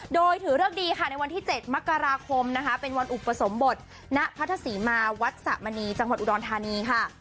โดยถือเลิกดีค่ะในวันที่๗มกราคมนะคะเป็นวันอุปสมบทณพัทธศรีมาวัดสะมณีจังหวัดอุดรธานีค่ะ